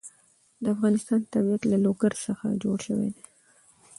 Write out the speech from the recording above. د افغانستان طبیعت له لوگر څخه جوړ شوی دی.